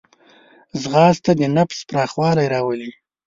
ځغاسته د نفس پراخوالی راولي